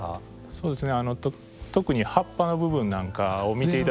そうですね。